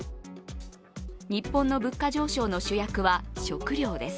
日本の物価上昇の主役は食料です。